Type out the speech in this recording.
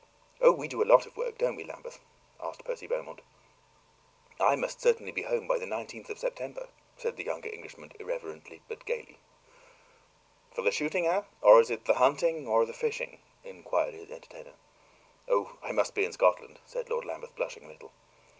"Oh, we do a lot of work; don't we, Lambeth?" asked Percy Beaumont. "I must certainly be at home by the 19th of September," said the younger Englishman, irrelevantly but gently. "For the shooting, eh? or is it the hunting, or the fishing?" inquired his entertainer. "Oh, I must be in Scotland," said Lord Lambeth, blushing a little.